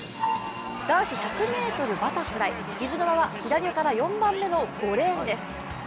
男子１００ｍバタフライ、水沼は左から４番目の５レーンです。